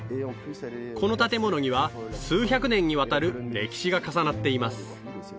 この建物には数百年にわたる歴史が重なっています